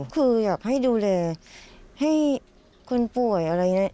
คืออยากให้ดูแลให้คนป่วยอะไร